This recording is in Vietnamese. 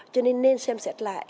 cho nên nên xem xét lại